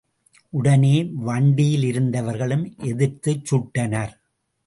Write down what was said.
உடனே வண்டியிலிருந்தவர்களும் எதிர்த்துச் சுட்டனர்.